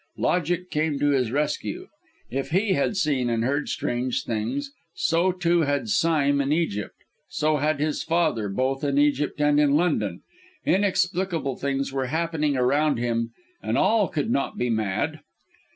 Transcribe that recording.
Logic came to his rescue. If he had seen and heard strange things, so, too, had Sime in Egypt so had his father, both in Egypt and in London! Inexplicable things were happening around him; and all could not be mad!